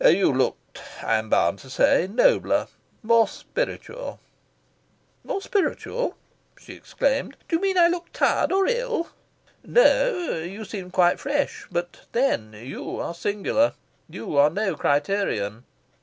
"You looked, I am bound to say, nobler, more spiritual." "More spiritual?" she exclaimed. "Do you mean I looked tired or ill?" "No, you seemed quite fresh. But then, you are singular. You are no criterion."